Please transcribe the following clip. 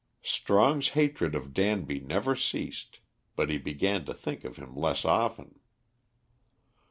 Strong's hatred of Danby never ceased, but he began to think of him less often.